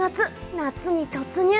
夏に突入。